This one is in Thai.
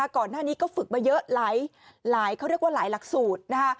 ก่อนหน้านี้ก็ฝึกมาเยอะหลายเขาเรียกว่าหลายหลักสูตรนะคะ